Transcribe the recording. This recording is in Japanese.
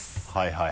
はい。